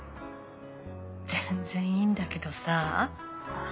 全然いいんだけどさぁ。